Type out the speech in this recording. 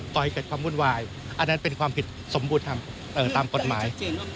ให้เกิดความวุ่นวายอันนั้นเป็นความผิดสมบูรณ์ตามกฎหมาย